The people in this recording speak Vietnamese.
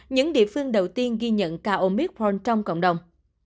những địa phương đầu tiên ghi nhận ca omithforne trong cộng đồng